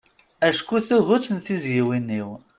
Acku tuget n tiziwin-iw.